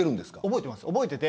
覚えていますよ。